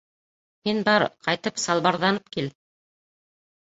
Һин бар, ҡайтып салбарҙанып кил.